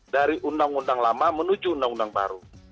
dari undang undang lama menuju undang undang baru